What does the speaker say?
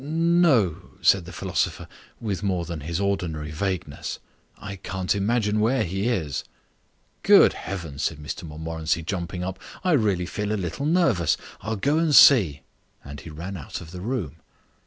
"N no," said the philosopher, with more than his ordinary vagueness. "I can't imagine where he is." "Good heavens," said Mr Montmorency, jumping up, "I really feel a little nervous. I'll go and see." And he ran out of the room.